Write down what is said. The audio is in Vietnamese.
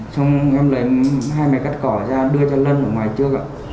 xong em lấy hai mẹ cắt cỏ ra đưa cho lân ở ngoài trước ạ